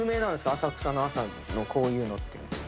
浅草の朝のこういうのって。